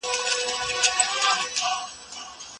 تاسو باید د خلفای راشدینو سیرت په پوره دقت سره ولولئ.